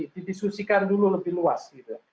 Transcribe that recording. didiskusikan dulu lebih luas gitu